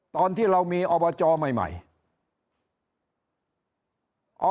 ตอนที่เรามีอบจใหม่